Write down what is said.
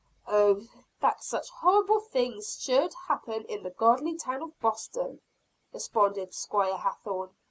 "Oh, that such horrible things should happen in the godly town of Boston!" responded Squire Hathorne.